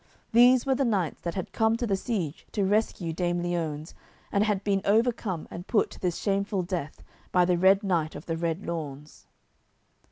These were knights that had come to the siege to rescue Dame Liones, and had been overcome and put to this shameful death by the Red Knight of the Red Lawns.